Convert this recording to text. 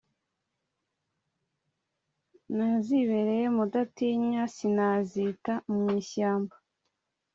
Nazibereye mudatinya sinazita mu ishyamba.